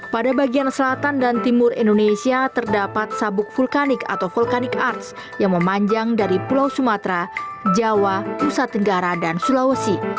pada bagian selatan dan timur indonesia terdapat sabuk vulkanik atau vulkanik arts yang memanjang dari pulau sumatera jawa nusa tenggara dan sulawesi